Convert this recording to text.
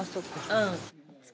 うん。